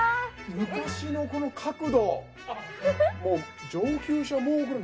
昔のこの角度